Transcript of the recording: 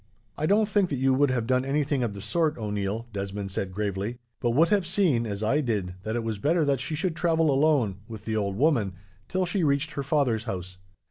"I don't think that you would have done anything of the sort, O'Neil," Desmond said gravely, "but would have seen, as I did, that it was better that she should travel alone, with the old woman, till she reached her father's house.